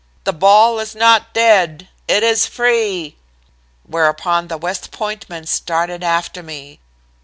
'The ball is not dead. It is free.' Whereupon the West Point men started after me.